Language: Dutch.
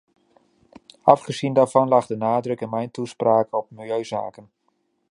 Afgezien daarvan lag de nadruk in mijn toespraak op milieuzaken.